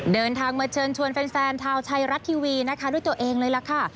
เดินทางมาเชิญชวนแฟนชาวไทยรัฐทีวีนะคะด้วยตัวเองเลยล่ะค่ะ